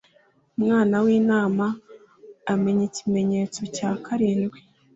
Umwana w’Intama amennye ikimenyetso cya karindwi,